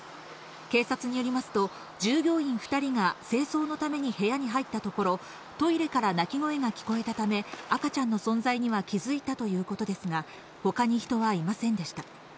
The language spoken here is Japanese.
警察によりますと、従業員２人が清掃のために部屋に入ったところ、トイレから鳴き声が聞こえたため、赤ちゃんの存在には気付いたということですが、ほかに人はいませんでした。